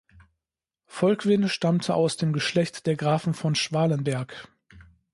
Volkwin stammte aus dem Geschlecht der Grafen von Schwalenberg.